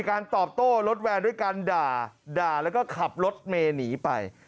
การตอบโต้รถแวนด้วยการด่าด่าแล้วก็ขับรถเมย์หนีไป